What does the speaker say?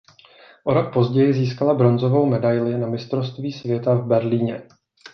O rok později získala bronzovou medaili na mistrovství světa v Berlíně.